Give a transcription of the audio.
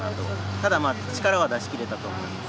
ただ、力は出し切れたと思います。